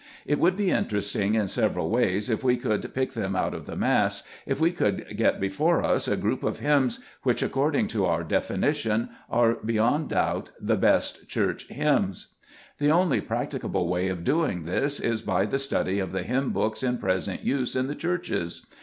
It would be interesting in several ways if we could pick them out of the mass, if we could get before us a group of hymns which, according to our definition, are beyond a doubt " the best Church hymns." The only practicable way of doing this is by the study of the hymn books in present use in the Churches.